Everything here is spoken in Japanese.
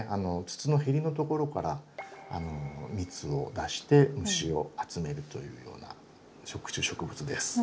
筒のヘリのところから蜜を出して虫を集めるというような食虫植物です。